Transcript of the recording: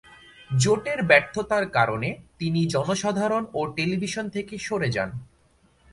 জোটের ব্যর্থতার কারণে তিনি জনসাধারণ ও টেলিভিশন থেকে সরে যান।